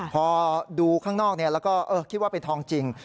พอดูข้างนอกแล้วก็คิดว่าเป็นทองจริง